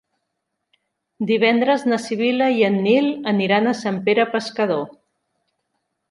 Divendres na Sibil·la i en Nil aniran a Sant Pere Pescador.